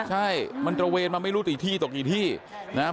ใช่มันตระเวนมาไม่รู้กี่ที่ตกกี่ที่นะครับ